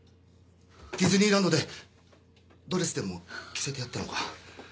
ディズニーランドでドレスでも着せてやったのか？